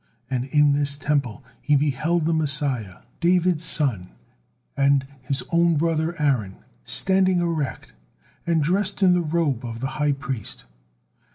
And in this Temple he beheld the Messiah, David's son, and his own brother Aaron, standing erect, and dressed in the robe of the high priest.